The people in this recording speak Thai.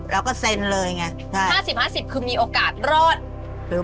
แล้วก็นั่งรออยู่ในห้องผ่าตัด